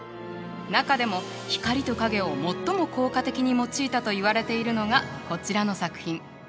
中でも光と影を最も効果的に用いたといわれているのがこちらの作品。